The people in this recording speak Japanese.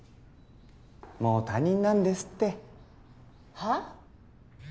もう他人なんですってはあ？